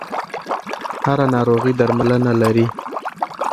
هره ناروغي درملنه لري.